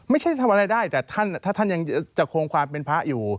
ไม่ใช่ทำอะไรได้แต่ถ้าท่านยังจะคงความเป็นพระอยู่